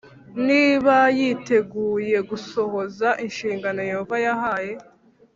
niba yiteguye gusohoza inshingano Yehova yahaye